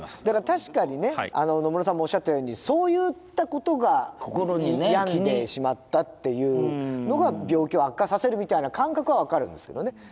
だから確かにね野村さんもおっしゃったようにそういったことが病んでしまったっていうのが病気を悪化させるみたいな感覚は分かるんですけどね。